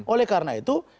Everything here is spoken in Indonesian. oleh karena itu